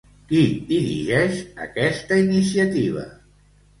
Qui dirigeix aquesta iniciativa?